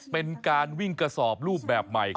เป็นการวิ่งกระสอบรูปแบบใหม่